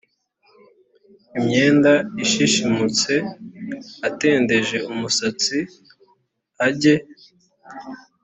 imyenda ishishimutse atendeje umusatsi ajye